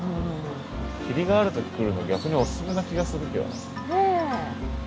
霧がある時来るの逆にオススメな気がするけどな。